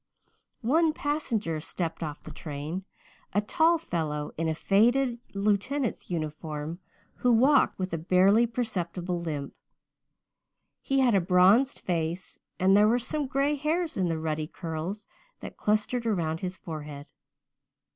One passenger stepped off the train a tall fellow in a faded lieutenant's uniform, who walked with a barely perceptible limp. He had a bronzed face and there were some grey hairs in the ruddy curls that clustered around his forehead.